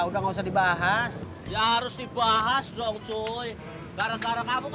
dengan cara hanya dengan burung